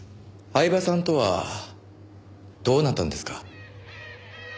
饗庭さんとはどうなったんですか？